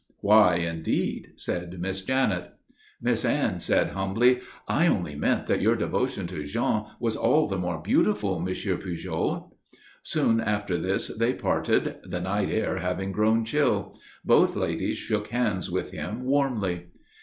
"Why, indeed?" said Miss Janet. Miss Anne said, humbly: "I only meant that your devotion to Jean was all the more beautiful, M. Pujol." Soon after this they parted, the night air having grown chill. Both ladies shook hands with him warmly.